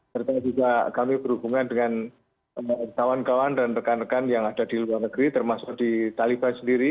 serta juga kami berhubungan dengan kawan kawan dan rekan rekan yang ada di luar negeri termasuk di taliban sendiri